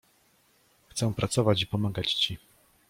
Chcę pracować i pomagać ci.